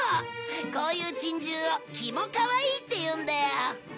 こういう珍獣をキモかわいいって言うんだよ。